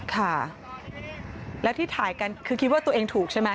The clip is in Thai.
ค่ะแล้วที่ถ่ายกันคือคิดว่าตัวเองถูกใช่ไหม